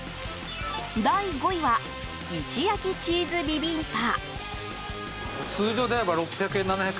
第５位は石焼きチーズビビンパ。